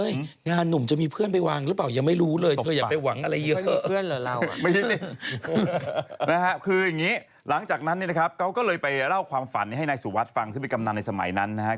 ยั้งไม่เยอะจริงคือยังงี้หลังจากนั้นเนี้ยครับเค้าก็เลยไปเล่าความฝันนี้ให้ไนสุวัสดิ์ฟังเส้นบิคำนาญในสมัยนั้นนะครับ